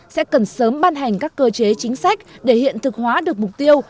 sẽ cần sớm ban hành các cơ chế chính sách để hiện thực hóa được mục tiêu